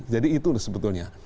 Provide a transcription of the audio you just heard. jadi itu sebetulnya